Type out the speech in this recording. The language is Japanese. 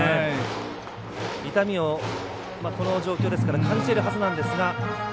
痛みをこの状況ですから感じているはずなんですが。